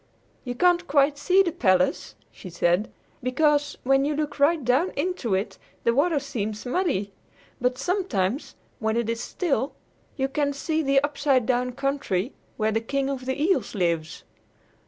"You can't quite see the palace," she said, "because, when you look right down into it, the water seems muddy. But sometimes, when it is still, you can see the Upside Down Country where the King of the Eels lives.